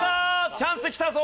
チャンスきたぞ！